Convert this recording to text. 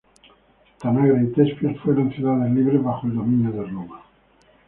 Tanagra y Tespias fueron ciudades libres bajo el dominio de Roma.